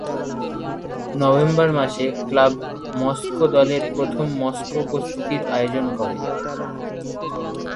November মাসে, club "Moscow" দলের প্রথম মস্কো উপস্থিতির আয়োজন করে।